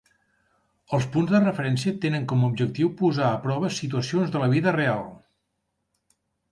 Els punts de referència tenen com a objectiu posar a prova situacions de la "vida real".